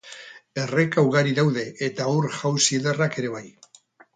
Erreka ugari daude eta ur-jauzi ederrak ere bai.